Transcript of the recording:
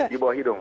di bawah hidung